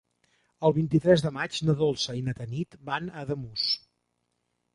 El vint-i-tres de maig na Dolça i na Tanit van a Ademús.